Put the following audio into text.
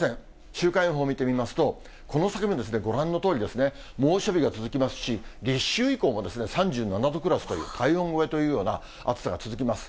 週間予報見てみますと、この先もご覧のとおり、猛暑日が続きますし、立秋以降も３７度クラスという、体温超えというような暑さが続きます。